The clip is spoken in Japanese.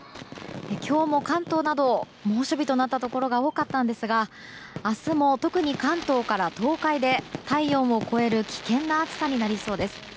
今日も関東など猛暑日となったところが多かったんですが、明日も特に関東から東海で体温を超える危険な暑さになりそうです。